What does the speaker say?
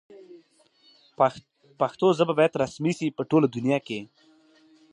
ازادي راډیو د مالي پالیسي په اړه رښتیني معلومات شریک کړي.